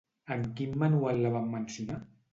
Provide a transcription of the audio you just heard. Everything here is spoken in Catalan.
En quin manual la van mencionar?